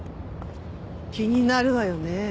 気になるわよね。